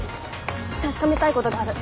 確かめたいことがある。